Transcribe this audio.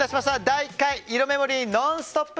第１回イロメモリー「ノンストップ！」